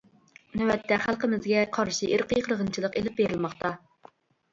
نۆۋەتتە خەلقىمىزگە قارشى ئىرقىي قىرغىنچىلىق ئېلىپ بېرىلماقتا.